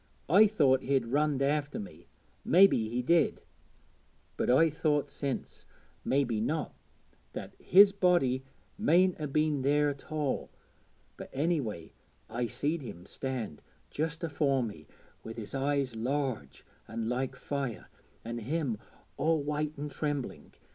I thought he'd runned after me mebbe he did but I've thought since, mebbe not, that his body mayn't 'a been there at all; but anyway I seed him stand just afore me, wi' his eyes large and like fire, an' him all white and trembling.